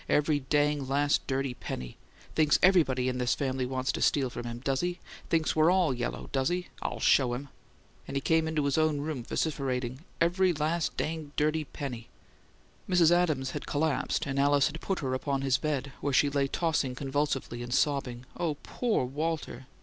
"Every dang, last, dirty penny! Thinks EVERYBODY in this family wants to steal from him, does he? Thinks we're ALL yellow, does he? I'll show him!" And he came into his own room vociferating, "Every last, dang, dirty penny!" Mrs. Adams had collapsed, and Alice had put her upon his bed, where she lay tossing convulsively and sobbing, "Oh, POOR Walter!"